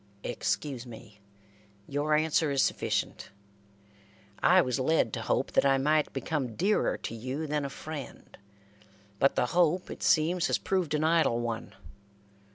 "Excuse me. Your answer is sufficient. I was led to hope that I might become dearer to you than a friend, but the hope, it seems, has proved an idle one.